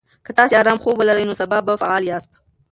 که تاسي ارام خوب ولرئ، نو سبا به فعال یاست.